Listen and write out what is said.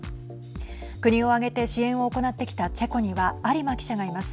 国を挙げて支援を行ってきたチェコには有馬記者がいます。